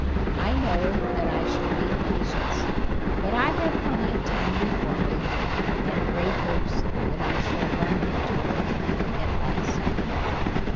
I know that I shall need patience, but I have plenty of time before me, and have great hopes that I shall run him to earth at last."